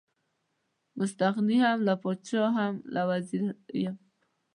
مستغني هم له پاچا هم له وزیر یم.